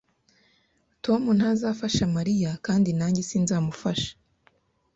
Tom ntazafasha Mariya kandi nanjye sinzafasha.